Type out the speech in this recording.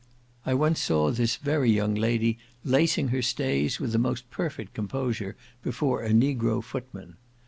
I once saw this very young lady lacing her stays with the most perfect composure before a negro footman.